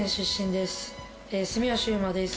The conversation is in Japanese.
住吉侑真です。